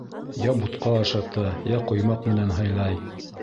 Йә бутҡа ашата, йә ҡоймаҡ менән һыйлай.